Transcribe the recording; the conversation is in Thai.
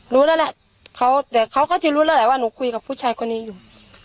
รู้แล้วแหละเขาเดี๋ยวเขาก็จะรู้แล้วแหละว่าหนูคุยกับผู้ชายคนนี้อยู่